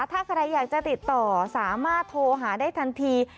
ถ้าใครอยากจะติดต่อสามารถโทรหาได้ทันที